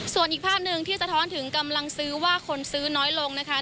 ส่วนอีกภาพหนึ่งที่สะท้อนถึงกำลังซื้อว่าคนซื้อน้อยลงนะคะ